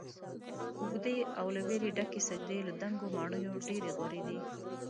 اوږدې او له ويرې ډکې سجدې له دنګو ماڼیو ډيرې غوره دي